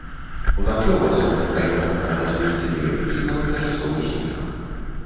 Уначы ў асобных раёнах прагназуецца невялікі кароткачасовы снег.